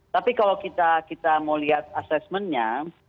tapi kalau kita mau lihat assessment nya